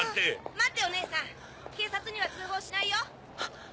待っておねえさん警察には通報しないよ。